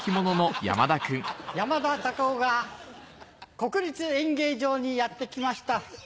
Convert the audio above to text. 山田隆夫が国立演芸場にやって来ました。